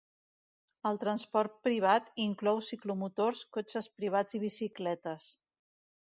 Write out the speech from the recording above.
El transport privat inclou ciclomotors, cotxes privats i bicicletes.